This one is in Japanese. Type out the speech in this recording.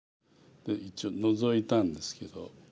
一応ノゾいたんですけど。